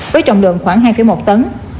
với trọng lượng khoảng hai một tấn